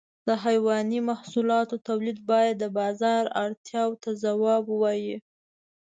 د حيواني محصولاتو تولید باید د بازار اړتیاو ته ځواب ووایي.